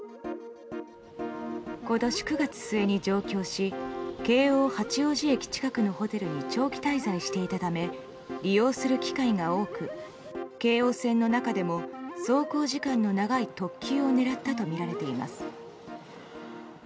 今年９月末に上京し京王八王子駅近くのホテルに長期滞在していたため利用する機会が多く京王線の中でも、走行時間の長い特急を狙ったとみられています。